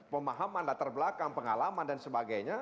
pemahaman latar belakang pengalaman dan sebagainya